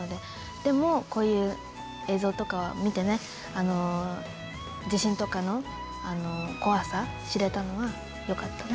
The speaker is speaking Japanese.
でもこういう映像とかを見てね地震とかの怖さ知れたのはよかったね。